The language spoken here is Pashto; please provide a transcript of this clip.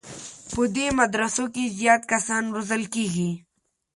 په دې مدرسو کې زیات کسان روزل کېږي.